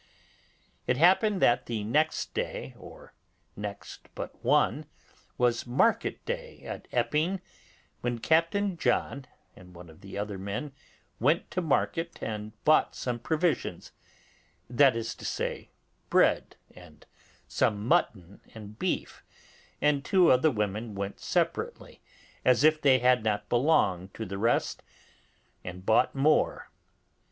It happened that the next day, or next but one, was market day at Epping, when Captain John and one of the other men went to market and bought some provisions; that is to say, bread, and some mutton and beef; and two of the women went separately, as if they had not belonged to the rest, and bought more.